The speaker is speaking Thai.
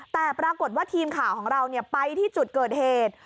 แต่ปรากฏว่าทีมข่าวของเราไปที่จุดเกิดเหตุ